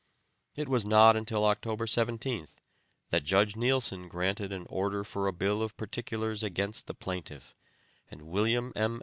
It was not until October 17th that Judge Neilson granted an order for a bill of particulars against the plaintiff, and William M.